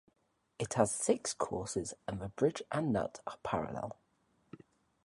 It has six courses and the bridge and nut are parallel.